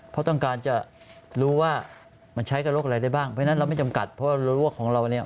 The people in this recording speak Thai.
เพราะเรารู้ว่าของเราอันนี้ไม่อันตราย